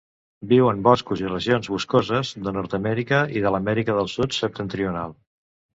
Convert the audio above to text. Viu en boscos i regions boscoses de Nord-amèrica i de l'Amèrica del Sud septentrional.